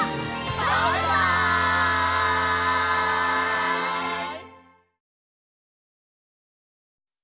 バイバイ！